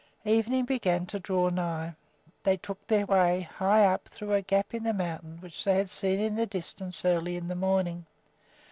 Evening began to draw nigh. They took their way high up through a gap in the mountain which they had seen in the distance early in the morning.